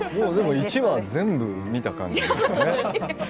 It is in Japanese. １話全部見た感じですよね。